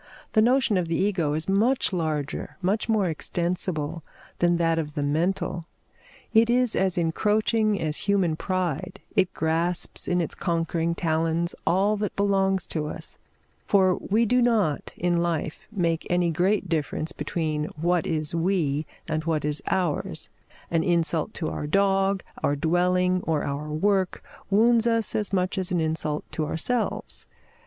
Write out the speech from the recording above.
The notion of the Ego is much larger, much more extensible, than that of the mental; it is as encroaching as human pride, it grasps in its conquering talons all that belongs to us; for we do not, in life, make any great difference between what is we and what is ours an insult to our dog, our dwelling, or our work wounds us as much as an insult to ourselves.